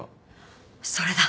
それだ。